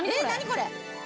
これ。